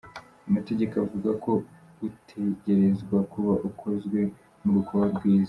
Amategeko avuga ko utegerezwa kuba ukozwe mu rukoba rwiza.